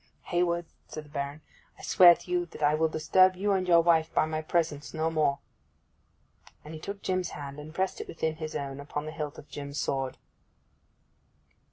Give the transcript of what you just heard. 'Hayward,' said the Baron, 'I swear to you that I will disturb you and your wife by my presence no more. And he took Jim's hand, and pressed it within his own upon the hilt of Jim's sword.